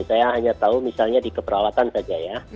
saya hanya tahu misalnya di keperawatan saja ya